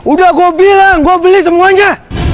udah gua bilang gua beli semuanya